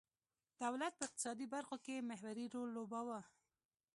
دولت په اقتصادي برخو کې محوري رول لوباوه.